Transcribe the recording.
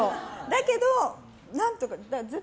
だけど、何とか。